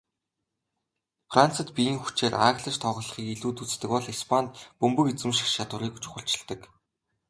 Францад биеийн хүчээр ааглаж тоглохыг илүүд үздэг бол Испанид бөмбөг эзэмших чадварыг чухалчилдаг.